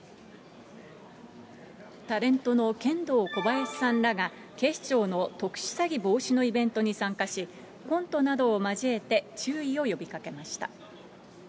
タレントのケンドーコバヤシさんらが警視庁の特殊詐欺防止のイベントに参加し、コントなどを交えて注意を呼びかけました。